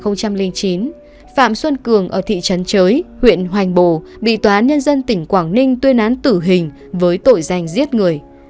năm hai nghìn chín phạm xuân cường ở thị trấn chới huyện hoành bồ bị tòa án nhân dân tỉnh quảng ninh tuyên án tử hình với tội danh giết người